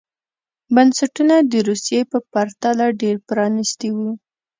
بنسټونه د روسیې په پرتله ډېر پرانېستي وو.